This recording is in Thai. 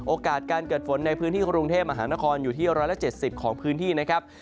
โอกาสของการเกิดฝนคลุงเทพอาหารครอยู่ที่๑๗๐ของพื้นที่นะครับ